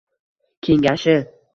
Kengashi